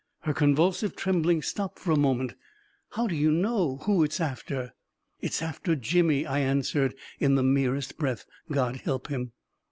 Her convulsive trembling stopped for a moment. A KING IN BABYLON 3*5 " How do you know? Who is it after? "" It's after Jimmy," I answered, in the merest breath. " God help him